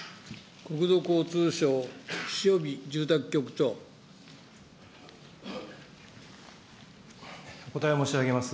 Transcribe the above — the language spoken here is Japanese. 国土交通省、お答え申し上げます。